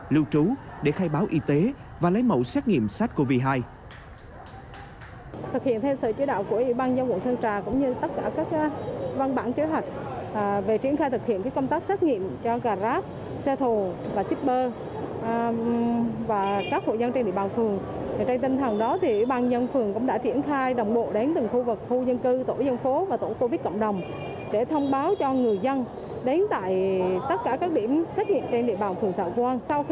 các dịch vụ nêu trú để khai báo y tế và lấy mẫu xét nghiệm sars cov hai